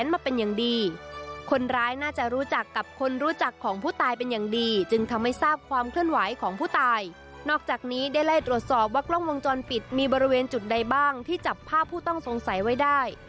มีบริเวณจุดใดบ้างที่จับภาพผู้ต้องสงสัยไว้ได้